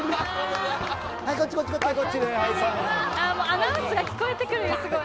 アナウンスが聞こえてくるすごい。